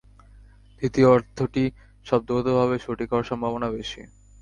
দ্বিতীয় অর্থটি শব্দগতভাবে সঠিক হওয়ার সম্ভাবনা বেশি।